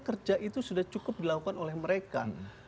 kerja itu sudah cukup dilakukan oleh mereka